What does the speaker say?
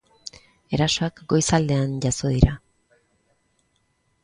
Erasoak goizaldean jazo dira.